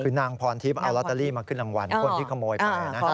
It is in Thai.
คือนางพรทิพย์เอาลอตเตอรี่มาขึ้นรางวัลคนที่ขโมยไปนะครับ